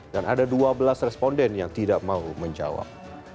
dan ada dua belas responden yang tidak mau menjawab